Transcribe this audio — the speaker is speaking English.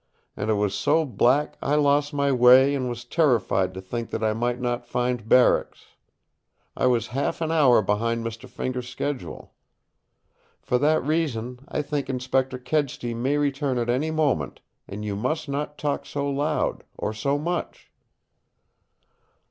And it was so black I lost my way and was terrified to think that I might not find barracks. I was half an hour behind Mr. Fingers' schedule. For that reason I think Inspector Kedsty may return at any moment, and you must not talk so loud or so much."